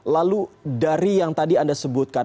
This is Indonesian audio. lalu dari yang tadi anda sebutkan